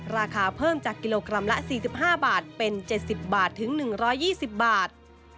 ราคาเพิ่มจากกิโลกรัมละ๔๕บาทเป็น๗๐บาทถึง๑๒๐บาท